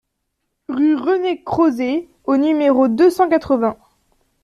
Rue René Crozet au numéro deux cent quatre-vingts